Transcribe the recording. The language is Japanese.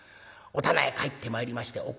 お店へ帰ってまいりましておっか